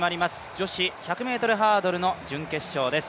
女子１００ｍハードルの準決勝です。